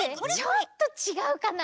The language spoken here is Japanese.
ちょっとちがうかな。